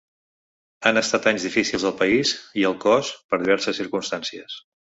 Han estat anys difícils al país i al cos per diverses circumstàncies.